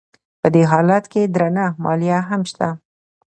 په دې حالت کې درنه مالیه هم شته